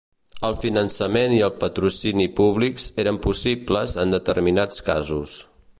El finançament i el patrocini públics eren possibles en determinats casos.